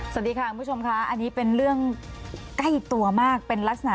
สวัสดีค่ะคุณผู้ชมค่ะอันนี้เป็นเรื่องใกล้ตัวมากเป็นลักษณะ